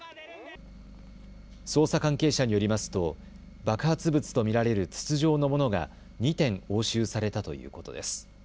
捜査関係者によりますと爆発物と見られる筒状のものが２点、押収されたということです。